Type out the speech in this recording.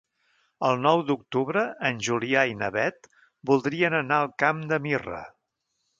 El nou d'octubre en Julià i na Beth voldrien anar al Camp de Mirra.